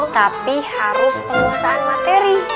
tapi harus penguasaan materi